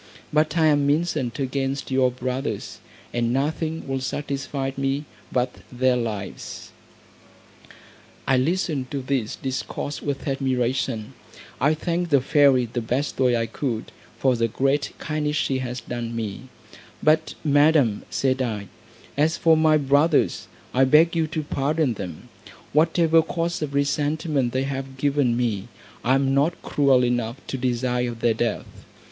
But I am incensed against your brothers, and nothing will satisfy me but their lives." I listened to this discourse with admiration; I thanked the fairy the best way I could, for the great kindness she had done me; "But, Madam," said I, "as for my brothers, I beg you to pardon them; whatever cause of resentment they have given me, I am not cruel enough to desire their death."